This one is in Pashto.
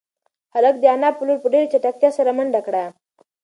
هلک د انا په لور په ډېرې چټکتیا سره منډه کړه.